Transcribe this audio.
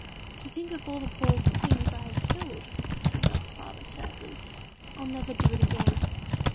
"To think of all the poor things I have killed," said Dot's father sadly, "I'll never do it again."